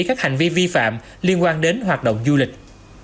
các hành vi vi phạm liên quan đến hoạt động du lịch